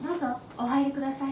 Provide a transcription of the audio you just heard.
お入りください。